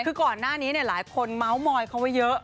คือก่อนหน้านี้หลายคนเมาส์มอยเขาไว้เยอะ